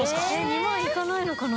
２万いかないのかな？